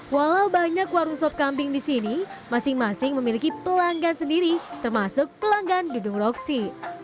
walau banyak warung sop kambing di sini masing masing memiliki pelanggan sendiri termasuk pelanggan dudung roksi